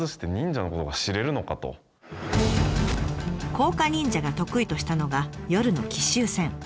甲賀忍者が得意としたのが夜の奇襲戦。